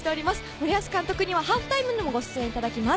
森保監督にはハーフタイムにもご出演いただきます。